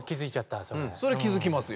それ気付きますよ。